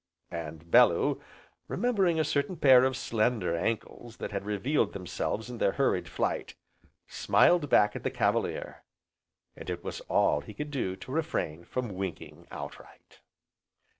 And Bellew, remembering a certain pair of slender ankles that had revealed themselves in their hurried flight, smiled back at the cavalier, and it was all he could do to refrain from winking outright.